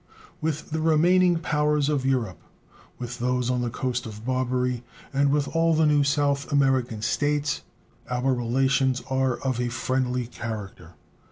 With the remaining powers of Europe, with those on the coast of Barbary, and with all the new South American States our relations are of a friendly character.